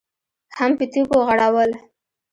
هم په تيږو غړول.